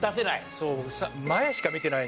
そう。